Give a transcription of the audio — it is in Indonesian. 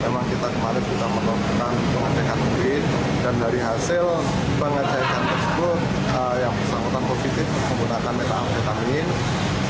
memang kita kemarin sudah menonton tentang pengantin hp